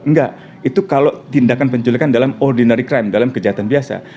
enggak itu kalau tindakan penculikan dalam ordinary crime dalam kejahatan biasa